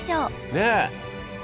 ねえ！